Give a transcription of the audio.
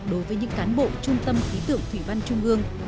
đối với những cán bộ trung tâm khí tượng thủy văn trung ương